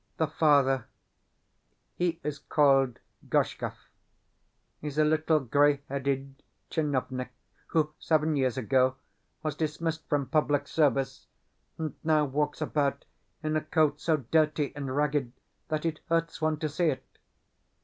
The father he is called Gorshkov is a little grey headed tchinovnik who, seven years ago, was dismissed from public service, and now walks about in a coat so dirty and ragged that it hurts one to see it.